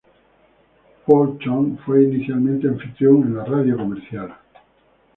Paul Chung fue inicialmente anfitrión en la Radio Comercial.